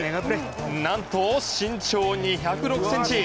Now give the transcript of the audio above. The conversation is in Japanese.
何と、身長２０６ｃｍ。